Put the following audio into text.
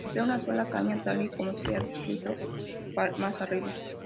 Emplea una sola caña, tal y como se ha descrito más arriba.